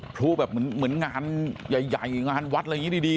พลูแบบเหมือนงานใหญ่งานวัดอะไรอย่างนี้ดี